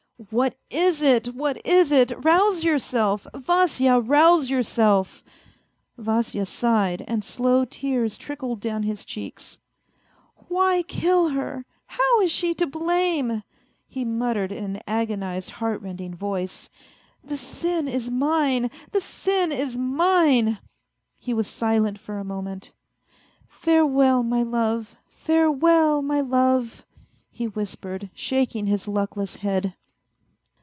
" What is it what is it ? Rouse yourself, Vasya, rouse yourself !" Vasya sighed, and slow tears trickled down his cheeks. " Why kill her ? How is she to blame ?" he muttered in an agonized, heartrending voice. " The sin is mines the sin is mine !" He was silent for a moment. " Farewell, my love ! Farewell, my love !" he whispered, shaking his luckless head.